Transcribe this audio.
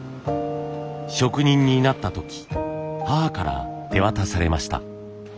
職人になった時母から手渡されました。